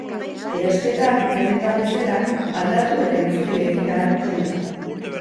Erosketak, dendetan bezala, aldatu eta itzuli egin ahalko dira.